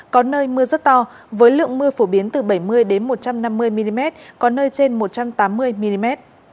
có nơi mưa rất to với lượng mưa phổ biến từ bảy mươi một trăm năm mươi mm có nơi trên một trăm tám mươi mm